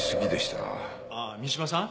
ああ三島さん？